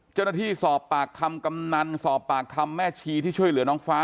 เจ้าหน้าที่สอบปากคำกำนันสอบปากคำแม่ชีที่ช่วยเหลือน้องฟ้า